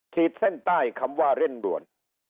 ขีดเส้นใต้คำว่าเร่งด่วน